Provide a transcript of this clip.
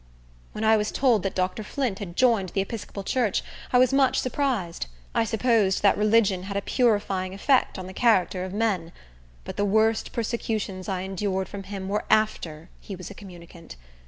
When I was told that Dr. Flint had joined the Episcopal church, I was much surprised. I supposed that religion had a purifying effect on the character of men; but the worst persecutions I endured from him were after he was a communicant.